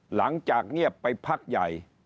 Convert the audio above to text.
หลังจากเงียบไปพักใหญ่